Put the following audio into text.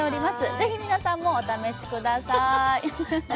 ぜひ皆さんもお楽しみください。